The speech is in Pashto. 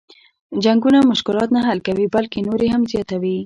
جنګونه مشلات نه حل کوي بلکه نور یې هم زیاتوي.